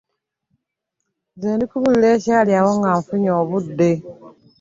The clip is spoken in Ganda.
Nze ndikubuulira ekyali awo nga nfunye obudde.